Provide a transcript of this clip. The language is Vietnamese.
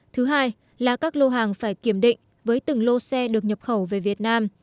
thứ hai là các lô hàng phải kiểm định với từng lô xe được nhập khẩu về việt nam